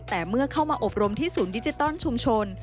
แต่เมื่อเข้ามาอบรมที่ศูนย์ดิจิตอลชุมชน